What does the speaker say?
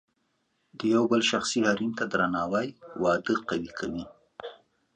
د یو بل شخصي حریم ته درناوی واده قوي کوي.